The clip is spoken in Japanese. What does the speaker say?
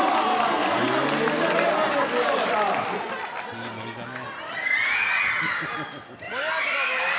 いいノリだね。